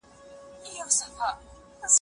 د ده په زړه کې د مینې اور بل دی.